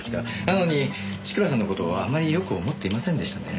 なのに千倉さんの事をあまりよく思っていませんでしたね。